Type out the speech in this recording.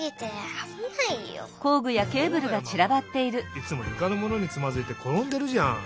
いつもゆかのものにつまずいてころんでるじゃん！